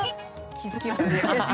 気付きましたか？